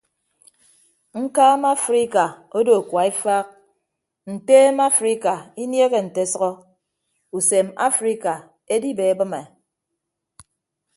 Ñkaama afrika odo kua efaak nteem afrika inieehe nte ọsʌhọ usem afrika edibeebịme.